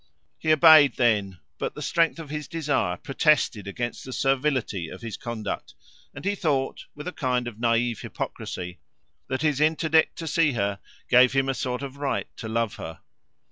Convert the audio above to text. He obeyed then, but the strength of his desire protested against the servility of his conduct; and he thought, with a kind of naive hypocrisy, that his interdict to see her gave him a sort of right to love her.